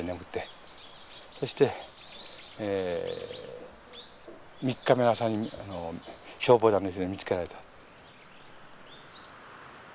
そしてえ３日目の朝に消防団の人に見つけられた。